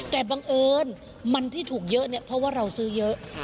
แต่บังเอิญมันที่ถูกเยอะเนี่ยเพราะว่าเราซื้อเยอะ